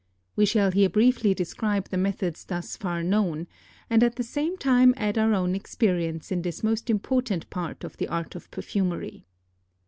We shall here briefly describe the methods thus far known, and at the same time add our own experience in this most important part of the art of perfumery.